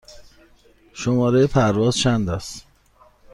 شماره پرواز چند است؟